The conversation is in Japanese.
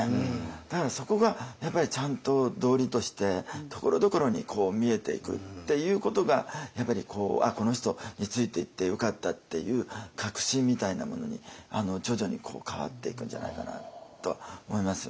だからそこがやっぱりちゃんと道理としてところどころに見えていくっていうことがやっぱり「あっこの人についていってよかった」っていう確信みたいなものに徐々に変わっていくんじゃないかなとは思いますよね。